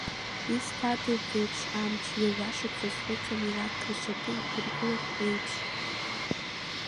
Изҭада убри еиԥш амч, ҩажәа шықәса зхыҵуа, милаҭк ршьапы иқәиргылартә еиԥш!